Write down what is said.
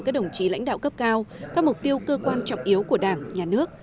các đồng chí lãnh đạo cấp cao các mục tiêu cơ quan trọng yếu của đảng nhà nước